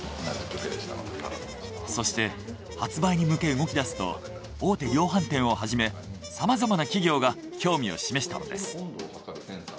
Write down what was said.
そして発売に向け動き出すと大手量販店をはじめさまざまな企業が興味を示したのです。